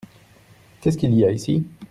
Qu'est-ce qu'il y a ici ?